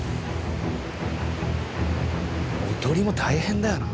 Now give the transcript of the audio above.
おとりも大変だよな。